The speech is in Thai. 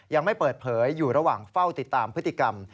ยังไม่เปิดเผยอยู่ระหว่างเฝ้าติดตามพฤติกรรม